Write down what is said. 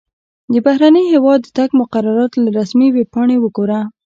د بهرني هیواد د تګ مقررات له رسمي ویبپاڼې وګوره.